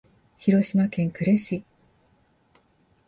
広島県呉市